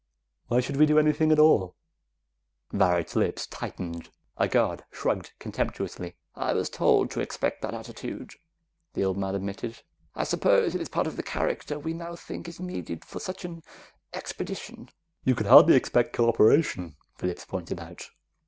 "Why should we do anything at all?" Varret's lips tightened. A guard shrugged contemptuously. "I was told to expect that attitude," the old man admitted. "I suppose it is part of the character we now think is needed for such an expedition." "You could hardly expect co operation," Phillips pointed out.